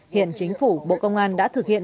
hiện chính phủ bộ công an đã thực hiện